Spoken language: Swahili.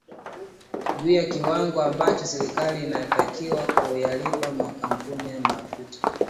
juu ya kiwango ambacho serikali inatakiwa kuyalipa makampuni ya mafuta